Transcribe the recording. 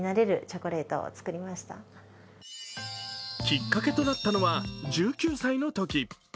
きっかけとなったのは１９歳の時。